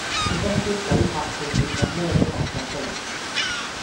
佢今朝鬼拍後背枕咩都講哂出黎